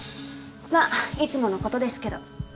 まあいつもの事ですけど。